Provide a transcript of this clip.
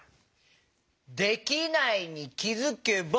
「できないに気づけば」。